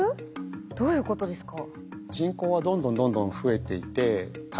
どういうことですか？